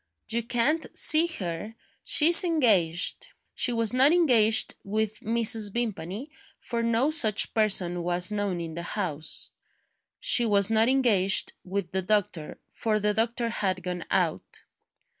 "You can't see her she's engaged." She was not engaged with Mrs. Vimpany, for no such person was known in the house. She was not engaged with the doctor, for the doctor had gone out.